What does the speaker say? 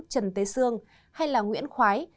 trần tế sương hay là nguyễn khoái